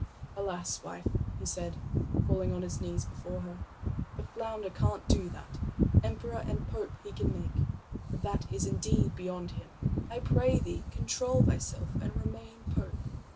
"Alas, wife," he said, falling on his knees before her, "the flounder can't do that. Emperor and pope he can make, but that is indeed beyond him. I pray thee, control thyself and remain pope."